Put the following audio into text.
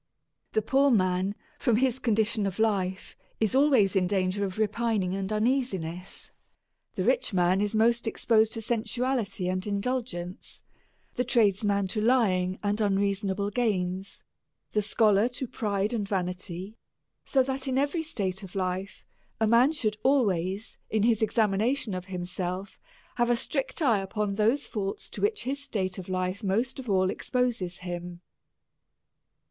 The poor man, from his condition of life, is always in danger of repining and uneasiness; the rich man is most exposed to sejisuality and indulgence ; the trades man to lying and unreasonable gains ; the scholar to pride and vanity; so that in every state of life, a man should always, in his examination of himself, have a strict eye upon those faults, to which hi* state of life most of all exposes him.